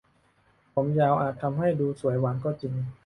ผมยาวอาจทำให้ดูสวยหวานก็จริง